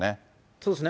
そうですね。